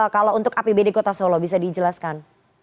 kalau untuk apbd kota solo bisa dijelaskan